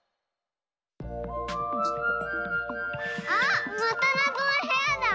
あまたなぞのへやだ！